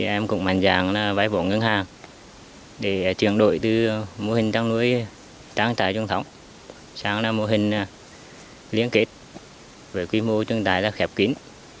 em cũng mạnh dạng vai vốn ngân hàng để truyền đội từ mô hình chăn nuôi trang trại trung thống sang mô hình liên kết với quy mô trang trại ra khép kín